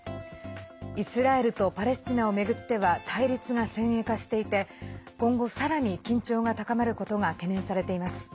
イスラエルとパレスチナを巡っては対立が先鋭化していて今後さらに緊張が高まることが懸念されています。